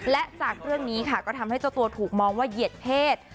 และจากเรื่องนี้ค่ะก็ทำให้เจ้าตัวถูกมองว่าเหยียดเพศ